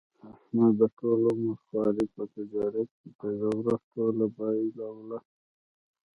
احمد د ټول عمر خواري په تجارت کې په یوه ورځ ټوله بایلوله.